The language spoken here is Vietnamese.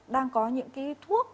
đang có những cái thuốc